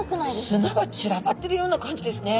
砂がちらばってるような感じですね。